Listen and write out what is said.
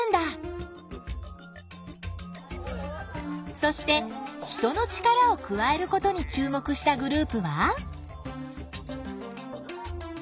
そして人の力を加えることに注目したグループは？